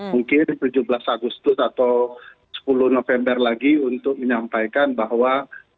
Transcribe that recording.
mungkin tujuh belas agustus atau sepuluh november lagi untuk menyampaikan bahwa